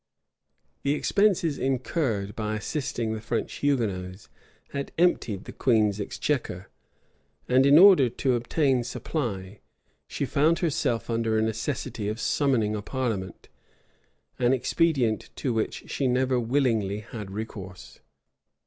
} The expenses incurred by assisting the French Hugonots had emptied the queen's exchequer; and in order to obtain supply, she found herself under a necessity of summoning a parliament: an expedient to which she never willingly had recourse.